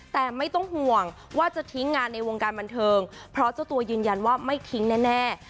แต่ไม่ต้องห่วงว่าจะทิ้งงานในวงการบันเทิงเพราะเจ้าตัวยืนยันว่าไม่ทิ้งแน่